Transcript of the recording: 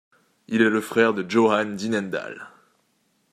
Il est le frère de Johann Dinnendahl.